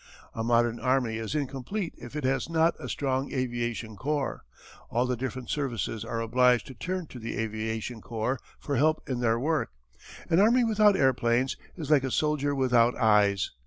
"A modern army is incomplete if it has not a strong aviation corps. All the different services are obliged to turn to the aviation corps for help in their work. An army without airplanes is like a soldier without eyes.